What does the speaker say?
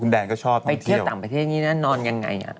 คุณแดนก็ชอบต้องเที่ยวไปเที่ยวต่างประเทศนี้น่ะนอนยังไง